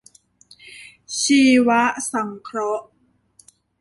ชีวสังเคราะห์